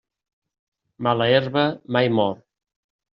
Mala herba mai mor.